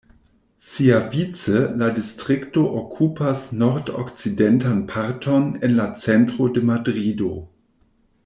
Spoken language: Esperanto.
Siavice la distrikto okupas nordokcidentan parton en la centro de Madrido.